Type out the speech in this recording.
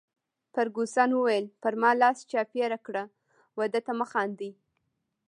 فرګوسن وویل: پر ما لاس چاپیره کړه، وه ده ته مه خاندي.